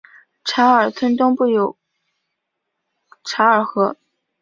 查尔村东部有嚓尔河。